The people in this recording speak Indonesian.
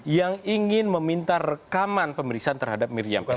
yang ingin meminta rekaman pemeriksaan terhadap miriam sya